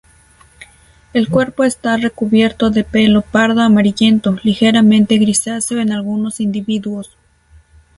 El cuerpo está recubierto de pelo pardo-amarillento, ligeramente grisáceo en algunos individuos.